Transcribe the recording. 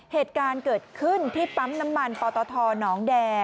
เหตุการณ์เกิดขึ้นที่ปั๊มน้ำมันปตทหนองแด